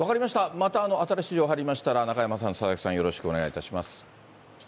また新しい情報入りましたら、中山さん、佐々木さん、よろしくお願いいたします。